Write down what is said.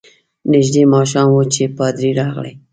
نژدې ماښام وو چي پادري راغلی.